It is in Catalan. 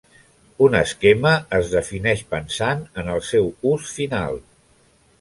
Un esquema es defineix pensant en el seu ús final.